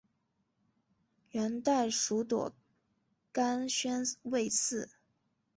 元代属朵甘宣慰司。